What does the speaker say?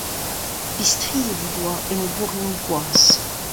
Pistriet he doa enebourion he gwaz.